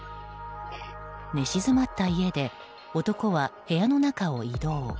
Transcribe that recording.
寝静まった家で男は部屋の中を移動。